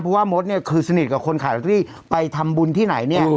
เพราะว่ามดเนี่ยคือสนิทกับคนขายลอตเตอรี่ไปทำบุญที่ไหนเนี่ย